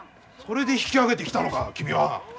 それで引き揚げてきたのか君は。